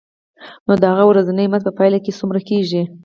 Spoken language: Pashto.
نو د هغه ورځنی مزد په پایله کې څومره کېږي